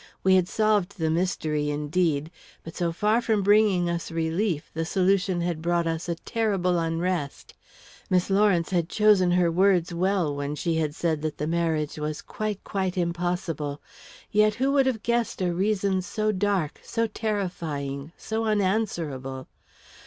We had solved the mystery, indeed; but so far from bringing us relief, the solution had brought us a terrible unrest. Miss Lawrence had chosen her words well when she had said that the marriage was "quite, quite impossible." Yet who could have guessed a reason so dark, so terrifying, so unanswerable!